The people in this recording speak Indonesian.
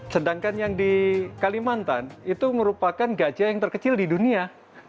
sedangkan yang di kalimantan itu merupakan gajah yang terkecil di dunia